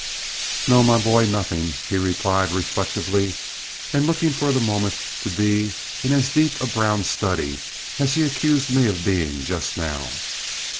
"No, my boy, nothing," he replied reflectively, and looking for the moment to be in as deep a brown study as he accused me of being just now.